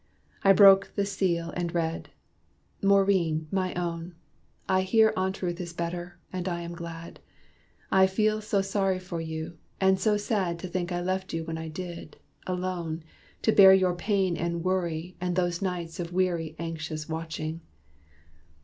I broke the seal and read, "Maurine, my own! I hear Aunt Ruth is better, and am glad. I felt so sorry for you; and so sad To think I left you when I did alone To bear your pain and worry, and those nights Of weary, anxious watching.